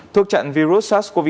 thuốc tràn virus sars cov hai